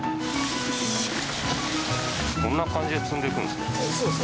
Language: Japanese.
こんな感じで積んでいくんですね。